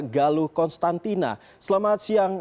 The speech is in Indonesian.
galuh konstantina selamat siang